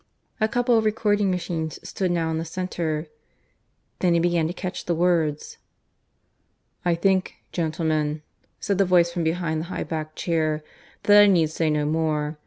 A couple of recording machines stood now in the centre. Then he began to catch the words. ... "I think, gentlemen," said the voice from behind the high backed chair, "that I need say no more.